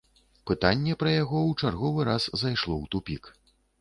Пытанне пра яго ў чарговы раз зайшло ў тупік.